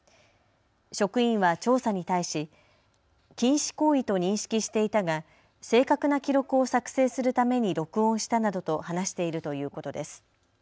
職員は調査に対し禁止行為と認識していたが正確な記録を作成するために録音したなどと話しているということです。